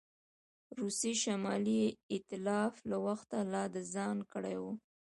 روسیې شمالي ایتلاف له وخته لا د ځان کړی وو.